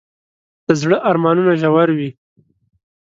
د زړه ارمانونه ژور وي.